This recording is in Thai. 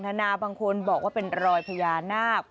นานาบางคนบอกว่าเป็นรอยพญานาค